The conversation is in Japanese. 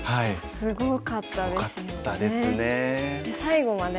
すごかったですね。